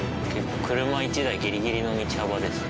車１台ギリギリの道幅ですね。